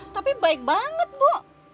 tapi baik banget bu